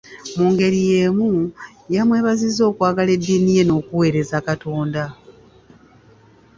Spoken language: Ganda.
Mu ngeri yemu yamwebazizza okwagala eddiini ye n'okuweereza Katonda.